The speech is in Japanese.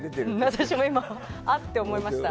私も今、あって思いました。